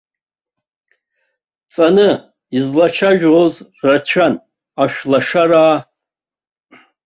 Ҵаны, излацәажәоз рацәан ашәлашараа.